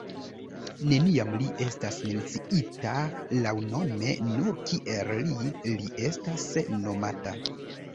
Neniam li estas menciita laŭnome, nur kiel “Li” li estas nomata.